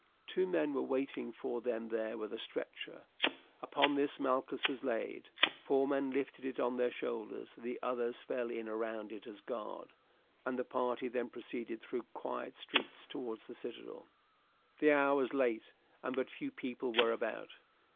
Two men were waiting for them there with a stretcher. Upon this Malchus was laid, four men lifted it on their shoulders, the others fell in round it as a guard, and the party then proceeded through quiet streets towards the citadel. The hour was late and but few people were about.